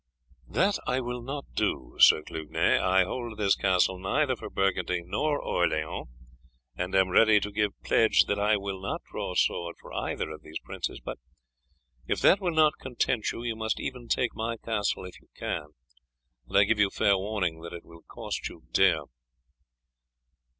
"That will I not do, Sir Clugnet. I hold this castle neither for Burgundy nor Orleans, and am ready to give pledge that I will not draw sword for either of these princes; but if that will not content you, you must even take my castle if you can, and I give you fair warning that it will cost you dear."